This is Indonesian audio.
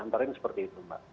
antara yang seperti itu mbak